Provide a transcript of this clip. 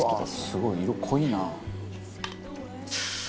「すごい色濃いな」